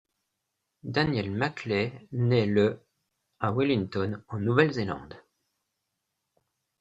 Daniel McLay naît le à Wellington en Nouvelle-Zélande.